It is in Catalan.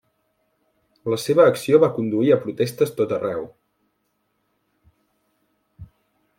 La seva acció va conduir a protestes tot arreu.